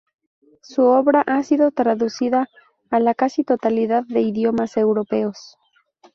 Su obra ha sido traducida a la casi totalidad de idiomas europeos.